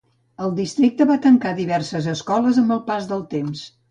El districte va tancar diverses escoles amb el pas del temps.